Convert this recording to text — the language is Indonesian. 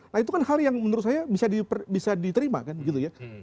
nah itu kan hal yang menurut saya bisa diterima kan gitu ya